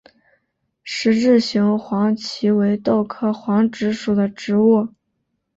十字形黄耆为豆科黄芪属的植物。